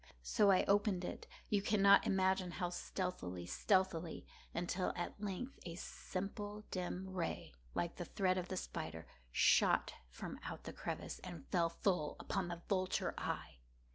So I opened it—you cannot imagine how stealthily, stealthily—until, at length a simple dim ray, like the thread of the spider, shot from out the crevice and fell full upon the vulture eye.